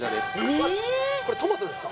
うわっこれトマトですか